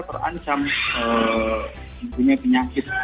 terancam punya penyakit